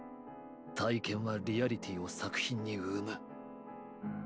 「体験はリアリティを作品に生む」ッ！